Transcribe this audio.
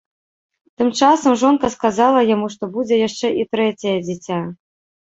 Тым часам жонка сказала яму, што будзе яшчэ і трэцяе дзіця.